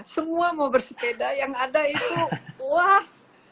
semua mau bersepeda yang ada itu wah